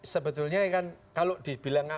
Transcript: sebetulnya kalau dibilang